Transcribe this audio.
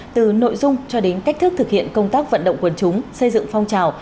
từ nội dung cho đến cách thức thực hiện công tác vận động quân chúng xây dựng phong trào